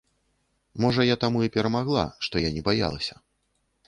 Можа я таму і перамагла, што я не баялася.